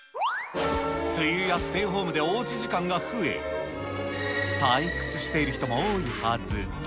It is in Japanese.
梅雨やステイホームでおうち時間が増え、退屈している人も多いはず。